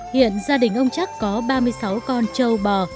hiện gia đình ông trắc có ba mươi sáu con trâu bò